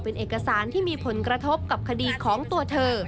เป็นเอกสารที่มีผลกระทบกับคดีของตัวเธอ